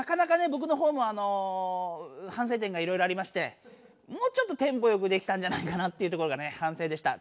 ぼくのほうもあのはんせい点がいろいろありましてもうちょっとテンポよくできたんじゃないかなっていうところがねはんせいでした。